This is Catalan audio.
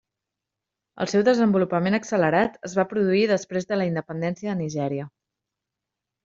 El seu desenvolupament accelerat es va produir després de la independència de Nigèria.